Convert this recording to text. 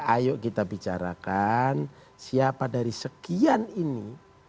ayo kita bicarakan siapa dari sekian ini